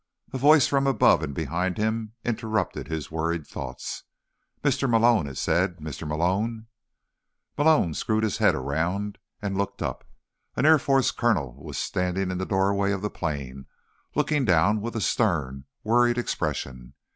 A voice from above and behind him interrupted his worried thoughts. "Mr. Malone!" it said. "Mr. Malone?" Malone screwed his head around and looked up. An Air Force colonel was standing in the doorway of the plane, looking down with a stern, worried expression.